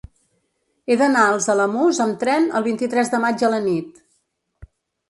He d'anar als Alamús amb tren el vint-i-tres de maig a la nit.